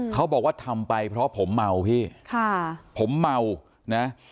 เขาบอกว่าทำไปเพราะผมเมาพี่ค่ะผมเมานะ